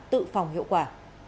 tự phòng hiệu quả